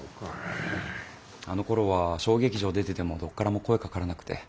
あのころは小劇場出ててもどっからも声かからなくて。